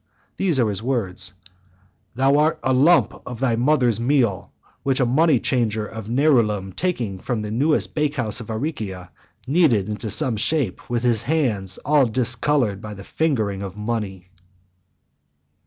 These are his words: "Thou art a lump of thy mother's meal, which a money changer of Nerulum taking from the newest bake house of Aricia, kneaded into some shape, with his hands all discoloured by the fingering of money."